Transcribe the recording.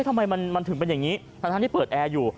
ทำไมมันถึงเป็นอย่างนี้ทั้งที่เปิดแอร์อยู่